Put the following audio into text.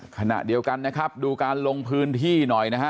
ขณะเดียวกันนะครับดูการลงพื้นที่หน่อยนะฮะ